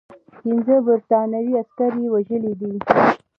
پنځه برټانوي عسکر یې وژلي دي.